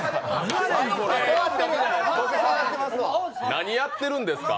何やってるんですか。